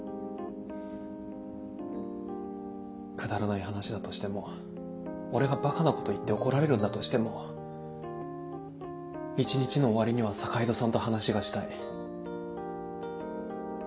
くだらない話だとしても俺がバカなこと言って怒られるんだとしても一日の終わりには坂井戸さんと話がしたい。